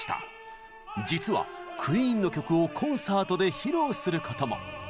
実はクイーンの曲をコンサートで披露することも。